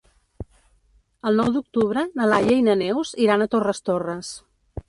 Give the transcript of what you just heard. El nou d'octubre na Laia i na Neus iran a Torres Torres.